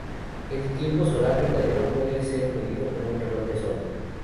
El tiempo solar verdadero puede ser medido con un reloj de sol.